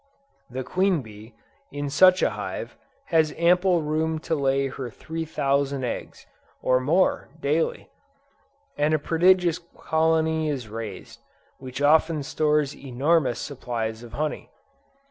The queen bee, in such a hive, has ample room to lay her three thousand eggs, or more, daily: and a prodigious colony is raised, which often stores enormous supplies of honey.